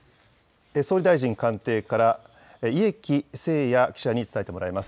総理大臣官邸から家喜誠也記者に伝えてもらいます。